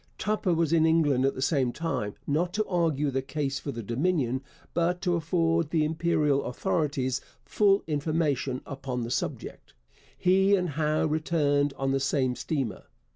Tupper was in England at the same time, not to argue the case for the Dominion, but to afford the Imperial authorities full information upon the subject. He and Howe returned on the same steamer.